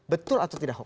betul atau tidak hoax